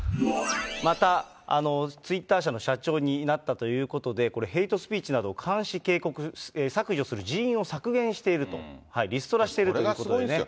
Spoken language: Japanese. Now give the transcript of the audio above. また、ツイッター社の社長になったということで、ヘイトスピーチなど、監視、警告、削除する人員を削減していると、これ、すごいんです。